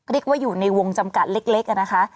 เรียกว่าอยู่ในวงจำกัดเล็กนะคะ